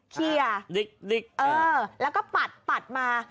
เคียดิ้คแล้วก็ปัดปัดมา